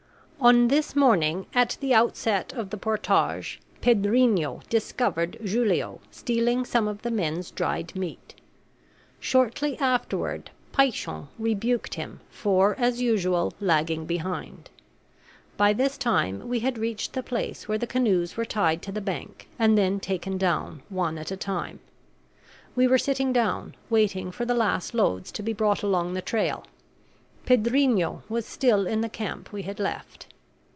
On this morning, at the outset of the portage, Pedrinho discovered Julio stealing some of the men's dried meat. Shortly afterward Paishon rebuked him for, as usual, lagging behind. By this time we had reached the place where the canoes were tied to the bank and then taken down one at a time. We were sitting down, waiting for the last loads to be brought along the trail. Pedrinho was still in the camp we had left.